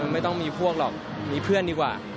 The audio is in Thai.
ไม่ต้องมีพวกหรอกมีเพื่อนดีกว่า